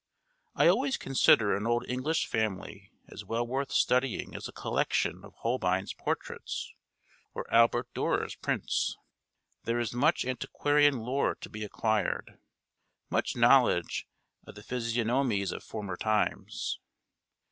I always consider an old English family as well worth studying as a collection of Holbein's portraits or Albert Durer's prints. There is much antiquarian lore to be acquired; much knowledge of the physiognomies of former times.